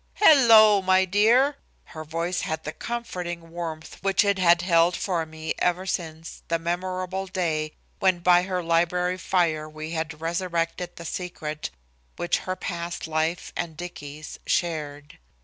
"Hello, my dear." Her voice had the comforting warmth which it had held for me ever since the memorable day when by her library fire we had resurrected the secret which her past life and Dicky's shared.